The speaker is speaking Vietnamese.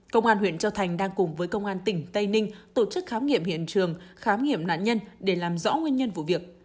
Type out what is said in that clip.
công an huyện châu thành đang cùng với công an tỉnh tây ninh tổ chức khám nghiệm hiện trường khám nghiệm nạn nhân để làm rõ nguyên nhân vụ việc